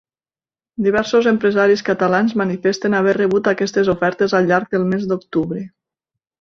Diversos empresaris catalans manifesten haver rebut aquestes ofertes al llarg del mes d’octubre.